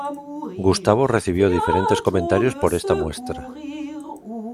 Gustavo recibió diferentes comentarios por esta muestra.